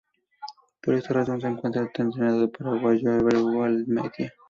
Por esta razón se contrata al entrenador paraguayo Ever Hugo Almeida.